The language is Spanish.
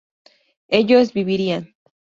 ellos vivirían